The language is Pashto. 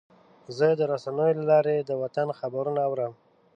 زه د رسنیو له لارې د وطن خبرونه اورم.